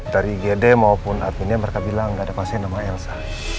dari gd maupun adminnya mereka bilang gak ada pasien nama elsa